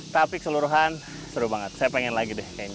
tapi keseluruhan seru banget saya pengen lagi deh kayaknya